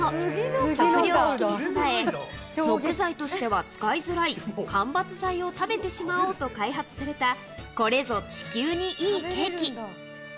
食糧危機に備え、木材としては使いづらい、間伐材を食べてしまおうと開発された、これぞ地球にいいケーキ。